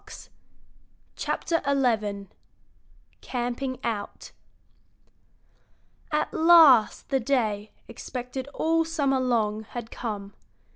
XI CAMPING OUT At last the day, expected all summer long, had come.